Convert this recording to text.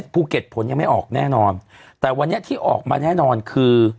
ภูเก็ตผลยังไม่ออกแน่นอนแต่วันนี้ที่ออกมาแน่นอนคือ